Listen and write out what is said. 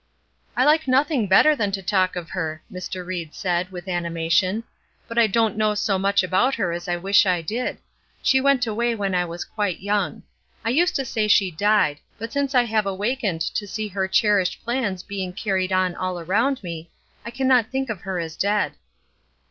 "I like nothing better than to talk of her." Mr. Ried said, with animation; "but I don't know so much about her as I wish I did. She went away when I was quite young. I used to say 'she died,' but since I have awakened to see her cherished plans being carried on all around me I cannot think of her as dead."